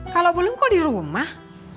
kalau belum kok di rumah